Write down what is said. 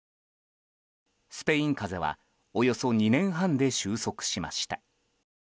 スペイン風邪はおよそ２年半で終息しました。